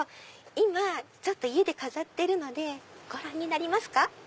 今家で飾ってるのでご覧になりますか？